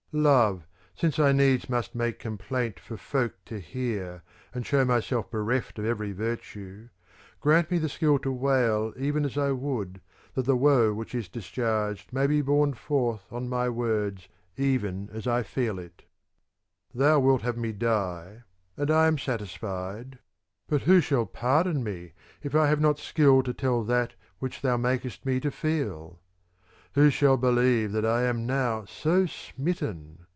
Y^ Love, since I needs must make complaint for folk to near and show myself bereft of every virtue, Grant me the skill to wail even as I would, that the woe which is discharged * may be borne forth on my words even as I feel it. .j .,^,^^■ Thou wilt have me die, and I am satisfied, But who shall pardon me, if I have not skill to tell that which thou makest me to feel? Who shall believe that I am now so smitten